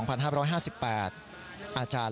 อาจารย์น้องลูกหลาน